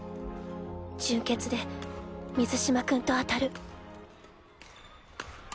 準決で水嶋君と当たる。